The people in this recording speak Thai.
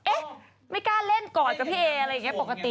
เอ๊ะไม่กล้าเล่นกอดกับพี่เออะไรอย่างนี้ปกติ